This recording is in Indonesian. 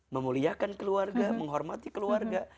memuliakan keluarga menghormati keluarga